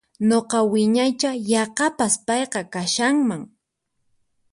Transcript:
Nuqa wiñaicha yaqapas payqa kashanman